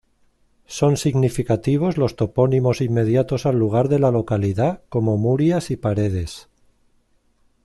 Son significativos los topónimos inmediatos al lugar de la localidad, como Murias y Paredes.